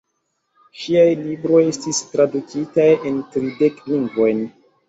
Ŝiaj libroj estis tradukitaj en tridek lingvojn.